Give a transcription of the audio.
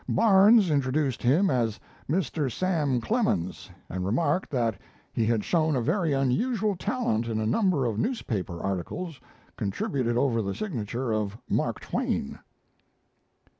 Barnes introduced him as Mr. Sam Clemens, and remarked that he had shown a very unusual talent in a number of newspaper articles contributed over the signature of 'Mark Twain.'"